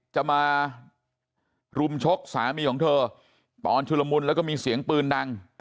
จะมารุมชกสามีของเธอตอนชุลมุนแล้วก็มีเสียงปืนดัง